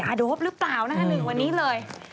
อาโดปหรือเปล่านะคะหนึ่งวันนี้เลย